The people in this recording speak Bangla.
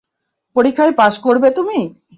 পরীক্ষায় পাস করবে তুমি!